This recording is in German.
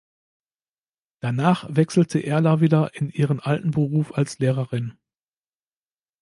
Danach wechselte Erler wieder in ihren alten Beruf als Lehrerin.